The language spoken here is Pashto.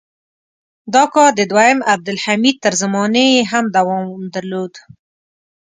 دا کار د دویم عبدالحمید تر زمانې یې هم دوام درلود.